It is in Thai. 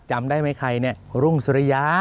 จำได้ไหมใครเนี่ยรุ่งสุริยา